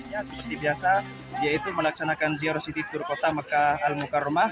seperti biasa dia itu melaksanakan ziarah siti tur kota mekah al mukarramah